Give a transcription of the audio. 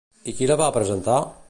I qui la va presentar?